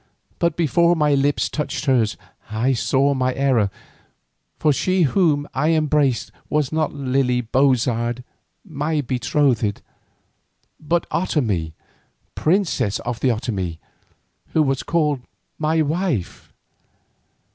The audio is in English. But before my lips touched hers I saw my error, for she whom I embraced was not Lily Bozard, my betrothed, but Otomie, princess of the Otomie, who was called my wife.